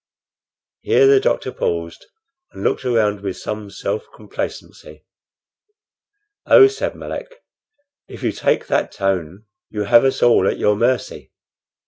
Here the doctor paused, and looked around with some self complacency. "Oh," said Melick, "if you take that tone, you have us all at your mercy.